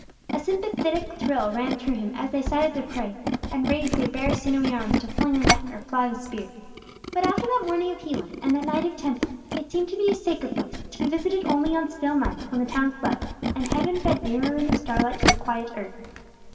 A sympathetic thrill ran through him as they sighted their prey, and raised their bare sinewy arms to fling the net or fly the spear. But after that morning of healing, and that night of tempest, it seemed to be a sacred place, to be visited only on still nights, when the town slept, and heaven bent nearer in the starlight to the quiet earth.